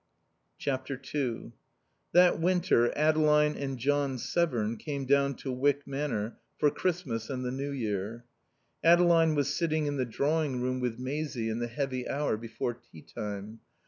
ii That winter Adeline and John Severn came down to Wyck Manor for Christmas and the New Year. Adeline was sitting in the drawing room with Maisie in the heavy hour before tea time.